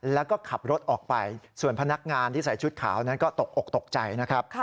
แล้วก็ขับรถออกไปส่วนพนักงานที่ใส่ชุดขาวนั้นก็ตกอกตกใจนะครับ